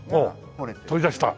おっ取り出した？